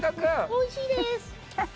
おいしいです！